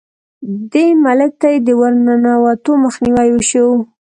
دې ملک ته یې د ورننوتو مخنیوی وشو.